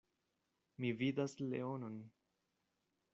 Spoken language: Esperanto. Mi vidas leonon.